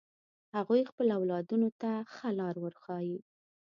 هغوی خپل اولادونو ته ښه لار ورښایی